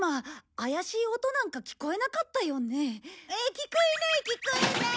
聞こえない聞こえない！